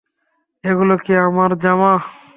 ওগুলো কি আমার জামা?